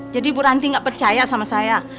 jadi bu ranti gak percaya sama saya